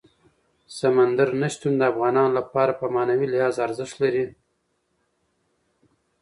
سمندر نه شتون د افغانانو لپاره په معنوي لحاظ ارزښت لري.